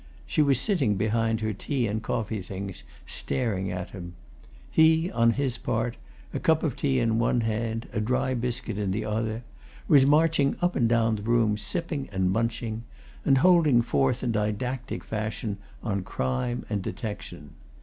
She was sitting behind her tea and coffee things, staring at him: he, on his part, a cup of tea in one hand, a dry biscuit in the other, was marching up and down the room sipping and munching, and holding forth, in didactic fashion, on crime and detection.